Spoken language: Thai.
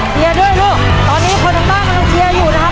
เชียร์ด้วยลูกตอนนี้คนต่างก็ต้องเชียร์อยู่นะครับ